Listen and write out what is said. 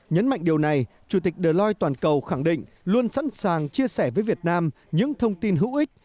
nhấn mạnh điều này chủ tịch deos toàn cầu khẳng định luôn sẵn sàng chia sẻ với việt nam những thông tin hữu ích